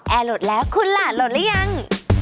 แอร์โหลดแล้วคุณล่ะโหลดแล้วยัง